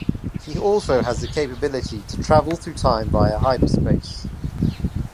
He also has the capability to travel through time via hyperspace.